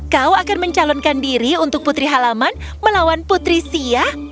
kau akan mencalonkan diri untuk putri halaman melawan putri sia